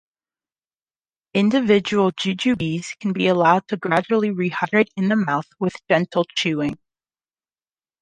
Individual Jujubes can be allowed to gradually rehydrate in the mouth with gentle chewing.